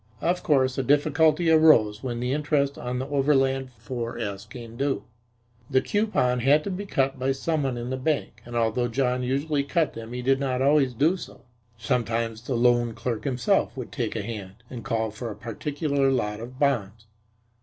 Of course, a difficulty arose when the interest on the Overland 4s came due. The coupons had to be cut by some one in the bank, and although John usually cut them he did not always do so. Sometimes the loan clerk himself would take a hand, and call for a particular lot of bonds.